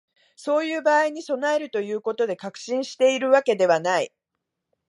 そういう場合に備えるということで、確信しているわけではない